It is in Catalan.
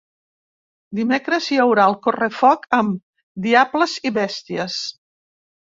Dimecres hi haurà el correfoc amb diables i bèsties.